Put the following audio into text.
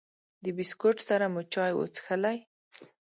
د بسکوټ سره مو چای وڅښلې.